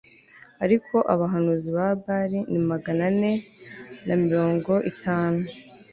ariko abahanuzi ba Bali ni Magana ane na mirongo itanu